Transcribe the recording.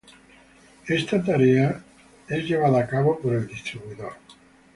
Esta tarea es llevada a cabo por el "distribuidor".